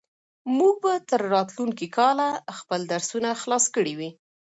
موږ به تر راتلونکي کاله خپل درسونه خلاص کړي وي.